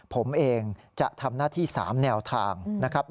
ผมเองจะทำหน้าที่๓แนวทางนะครับ